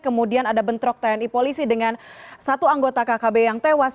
kemudian ada bentrok tni polisi dengan satu anggota kkb yang tewas